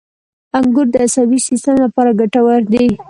• انګور د عصبي سیستم لپاره ګټور دي.